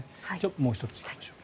もう１ついきましょう。